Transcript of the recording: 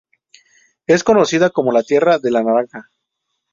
Es conocida como la tierra de la naranja.